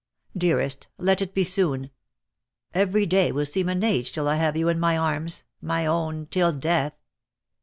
"Dearest, let it be soon. Every day will seem an age till I have you in my arms, my own till death.